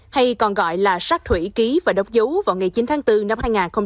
hay còn gọi là sát thủy ký và đóng dấu vào ngày chín tháng bốn năm hai nghìn hai mươi